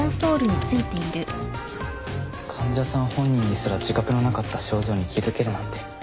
患者さん本人にすら自覚のなかった症状に気付けるなんて広瀬さん